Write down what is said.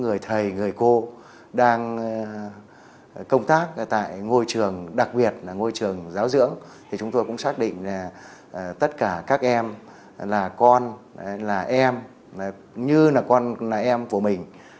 người thầy người cô đang công tác tại ngôi trường đặc biệt là ngôi trường giáo dưỡng thì chúng tôi cũng xác định là tất cả các em là con là em như là con em của mình